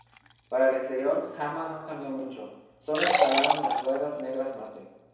Para el exterior Hamann no cambió mucho, sólo instalaron las ruedas negras mate.